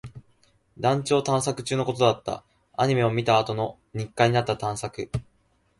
団地を探索中のことだった。アニメを見たあとの日課になった探索。